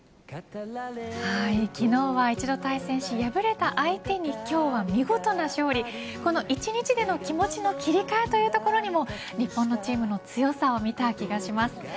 昨日は一度対戦し敗れた相手に今日は見事な勝利この１日での気持ちの切り替えというところにも日本チームの強さを見た気がします。